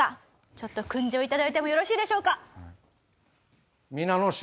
ちょっと訓示を頂いてもよろしいでしょうか？